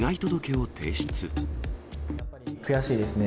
悔しいですね。